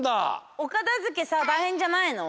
おかたづけさたいへんじゃないの？